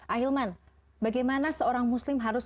ahilman bagaimana seorang muslim harus